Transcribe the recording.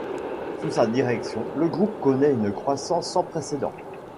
Sous sa direction, le groupe connaît une croissance sans précédent.